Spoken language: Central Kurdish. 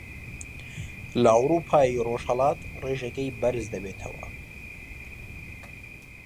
لە ئەورووپای ڕۆژهەڵات ڕێژەکەی بەرز دەبێتەوە